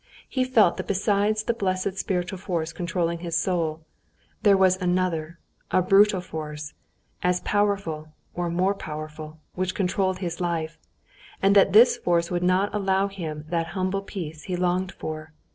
He felt that besides the blessed spiritual force controlling his soul, there was another, a brutal force, as powerful, or more powerful, which controlled his life, and that this force would not allow him that humble peace he longed for.